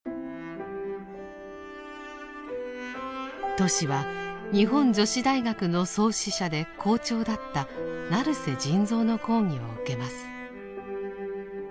トシは日本女子大学の創始者で校長だった成瀬仁蔵の講義を受けます。